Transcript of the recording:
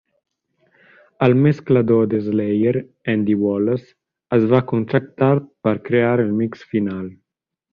El mesclador de Slayer, Andy Wallace, es va contractar per crear el mix final.